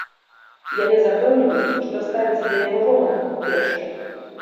Яны запэўніваюць, што ставяцца да яго роўна, па-першае.